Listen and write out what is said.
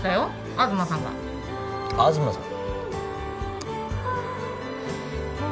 東さんが東さん？